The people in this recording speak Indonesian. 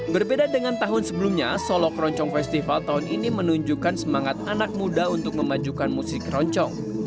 berbeda dengan tahun sebelumnya solo keroncong festival tahun ini menunjukkan semangat anak muda untuk memajukan musik keroncong